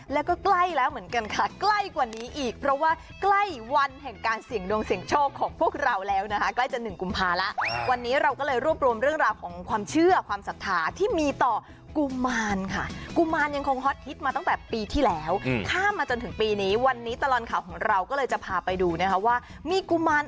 แล้วก็ใกล้แล้วเหมือนกันค่ะใกล้กว่านี้อีกเพราะว่าใกล้วันแห่งการเสี่ยงดวงเสี่ยงโชคของพวกเราแล้วนะคะใกล้จะหนึ่งกุมภาแล้ววันนี้เราก็เลยรวบรวมเรื่องราวของความเชื่อความศรัทธาที่มีต่อกุมารค่ะกุมารยังคงฮอตฮิตมาตั้งแต่ปีที่แล้วข้ามมาจนถึงปีนี้วันนี้ตลอดข่าวของเราก็เลยจะพาไปดูนะคะว่ามีกุมาร